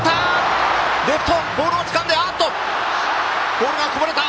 ボールがこぼれた！